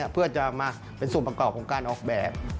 เพื่อจะมาเป็นส่วนประกอบของการออกแบบ